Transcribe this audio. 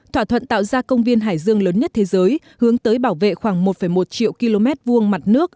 thỏa thuận tạo ra công viên hải dương lớn nhất thế giới hướng tới bảo vệ khoảng một một triệu km hai mặt nước